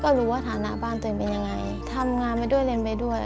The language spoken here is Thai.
ก็รู้ว่าฐานะบ้านตัวเองเป็นยังไงทำงานไปด้วยเรียนไปด้วย